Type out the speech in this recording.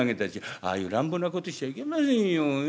ああいう乱暴なことしちゃいけませんよ。